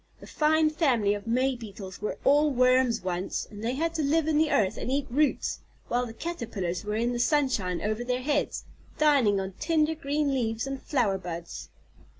The fine family of May Beetles were all worms once, and they had to live in the earth and eat roots, while the Caterpillars were in the sunshine over their heads, dining on tender green leaves and flower buds."